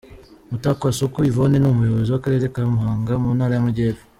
Mutakwasuku Yvonne ni umuyobozi w’Akarere ka Muhanga, mu Ntara y’Amajyepfo.